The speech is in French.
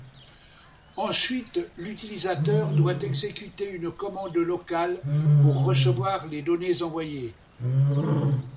Ensuite l'utilisateur doit exécuter une commande locale pour recevoir les données envoyées.